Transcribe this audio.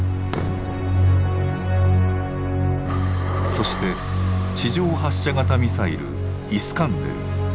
そして地上発射型ミサイル「イスカンデル」。